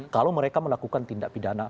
kalau mereka melakukan tindak pidana